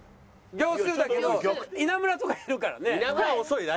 秒数だけど稲村とかいるからね。